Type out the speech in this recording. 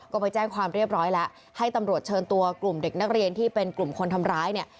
ก็ไปแจ้งความเรียบร้อยแล้วให้ตำรวจเชิญตัวกลุ่มเด็กนักเรียนที่เป็นกลุ่มคนทำร้ายเนี่ย